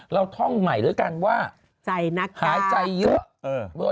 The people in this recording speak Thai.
ท่องใหม่แล้วกันว่าหายใจเยอะ